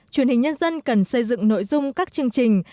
truyền hình nhân dân cần xây dựng nội dung các chương trình